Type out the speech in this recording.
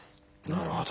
なるほど。